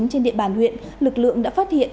trên địa bàn huyện lực lượng đã phát hiện